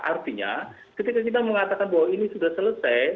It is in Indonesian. artinya ketika kita mengatakan bahwa ini sudah selesai